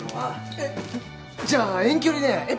えっ？じゃあ遠距離恋愛？